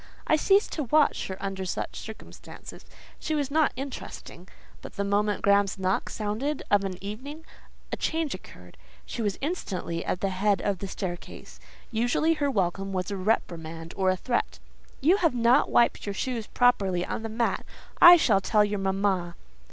I ceased to watch her under such circumstances: she was not interesting. But the moment Graham's knock sounded of an evening, a change occurred; she was instantly at the head of the staircase. Usually her welcome was a reprimand or a threat. "You have not wiped your shoes properly on the mat. I shall tell your mamma."